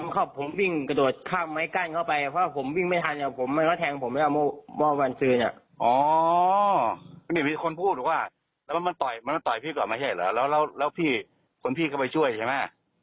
คนพี่เข้าไปช่วยใช่ไหมฮะ